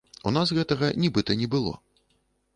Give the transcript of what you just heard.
У нас гэтага нібыта не было.